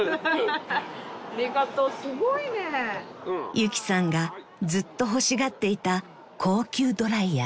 ［ゆきさんがずっと欲しがっていた高級ドライヤー］